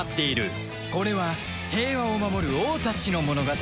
これは平和を守る王たちの物語